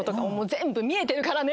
全部見えてるからね！